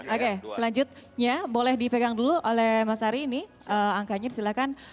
oke selanjutnya boleh dipegang dulu oleh mas ari ini angkanya disilakan